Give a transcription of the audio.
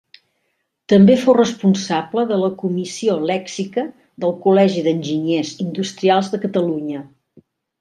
També fou responsable de la comissió lèxica del Col·legi d'Enginyers Industrials de Catalunya.